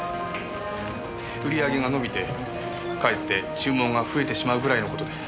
売り上げが伸びてかえって注文が増えてしまうぐらいの事です。